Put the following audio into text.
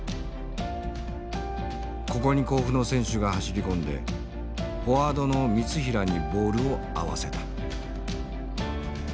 ここに甲府の選手が走り込んでフォワードの三平にボールを合わせた。